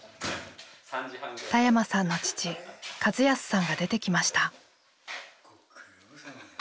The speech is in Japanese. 田山さんの父和康さんが出てきました。